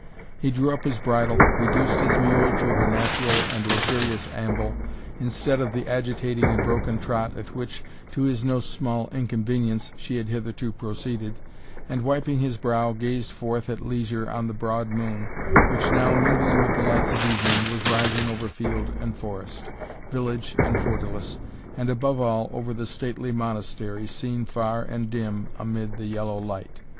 He drew up his bridle, reduced his mule to her natural and luxurious amble, instead of the agitating and broken trot at which, to his no small inconvenience, she had hitherto proceeded, and, wiping his brow, gazed forth at leisure on the broad moon, which, now mingling with the lights of evening, was rising over field and forest, village and fortalice, and, above all, over the stately Monastery, seen far and dim amid the vellow light.